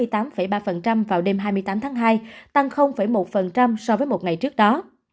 tỷ lệ ba vào đêm hai mươi tám tháng hai tăng một so với một ngày trước đó